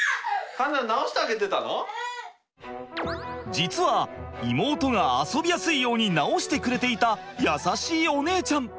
実は妹が遊びやすいように直してくれていた優しいお姉ちゃん！